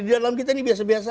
di dalam kita ini biasa biasa